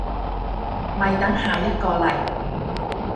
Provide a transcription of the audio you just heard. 咪等下一個嚟